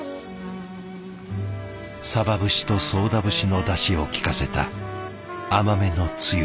さば節と宗田節のだしをきかせた甘めのつゆでコトコトと。